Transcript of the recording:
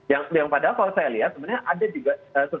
yang padahal kalau saya lihat sebenarnya ada juga